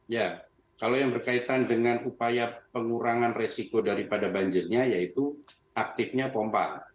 ya kalau yang berkaitan dengan upaya pengurangan resiko daripada banjirnya yaitu aktifnya pompa